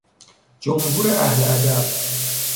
جمهور اهل ادب